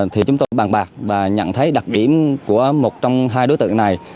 thì chúng tôi bàn bạc và nhận thấy đặc điểm của một trong hai đối tượng này